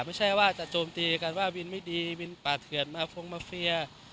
ไม่ใช่ว่าจะโจมตีกันว่าวินไม่ดีวินป่าเถื่อนมาฟงมาเฟีย